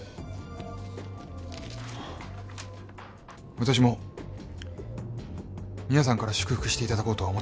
わたしも皆さんから祝福していただこうとは思っていません。